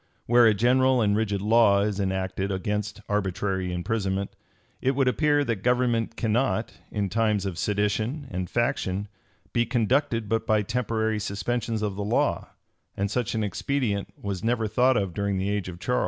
Where a general and rigid law is enacted against arbitrary imprisonment, it would appear that government cannot, in times of sedition and faction, be conducted but by temporary suspensions of the law; and such an expedient was never thought of during the age of Charles.